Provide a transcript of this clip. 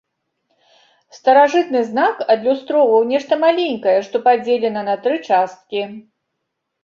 Старажытны знак адлюстроўваў нешта маленькае, што падзелена на тры часткі.